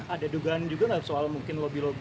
ada dugaan juga nggak soal mungkin lobby lobby